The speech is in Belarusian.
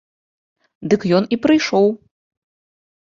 Дык ён і прыйшоў.